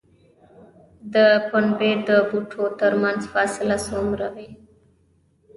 د پنبې د بوټو ترمنځ فاصله څومره وي؟